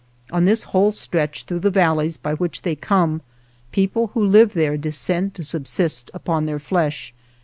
On this whole stretch, through the valleys by which they come, people who live there descend to sub sist upon their flesh.